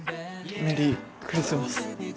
メリークリスマス。